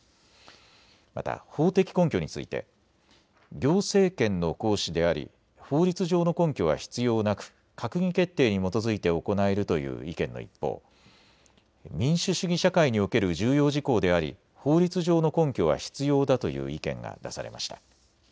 また法的根拠について行政権の行使であり法律上の根拠は必要なく閣議決定に基づいて行えるという意見の一方、民主主義社会における重要事項であり法律上の根拠は必要だという意見が出されました。